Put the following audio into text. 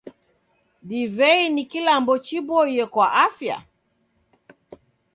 Divei ni kilambo chiboie kwa afya?